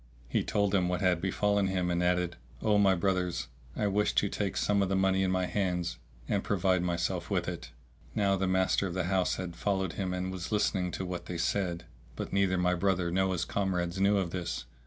He told them what had befallen him and added, "O my brothers, I wish to take some of the money in my hands and provide myself with it." Now the master of the house had followed him and was listening to what they said; but neither my brother nor his comrades knew of this.